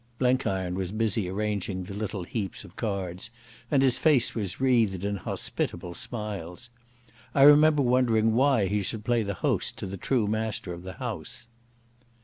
Blenkiron was busy arranging the little heaps of cards, and his face was wreathed in hospitable smiles. I remember wondering why he should play the host to the true master of the house.